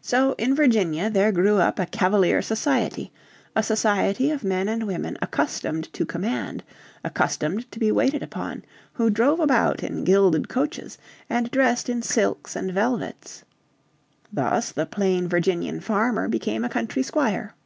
So in Virginia. there grew up a Cavalier society, a society of men and women accustomed to command, accustomed to be waited upon; who drove about in gilded coaches, and dressed in silks and velvets. Thus the plain Virginian farmer became a country squire.